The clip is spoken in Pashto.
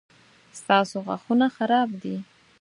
ستاسو غاښونه خراب دي